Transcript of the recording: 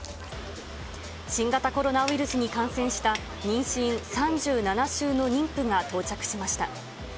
新型コロナウイルスに感染した妊娠３７週の妊婦が到着しまし